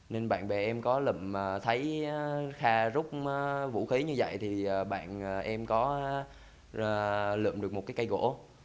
nên bạn bè em có lậm thấy kha rút vũ khí như vậy thì bạn em có lượm được một cái cây gỗ